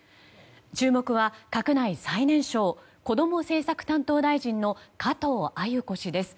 注目は閣内最年少こども政策担当大臣の加藤鮎子氏です。